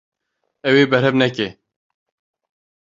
Ew ê berhev neke.